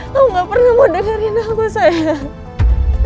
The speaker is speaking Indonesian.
kamu gak pernah mau dengerin aku sayang